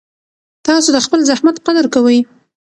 تاسو د خپل زحمت قدر کوئ.